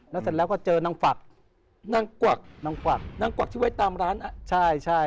แล้วเสร็จแล้วก็เจอนางฝักนางกวักนางกวักนางกวักที่ไว้ตามร้านอ่ะใช่ใช่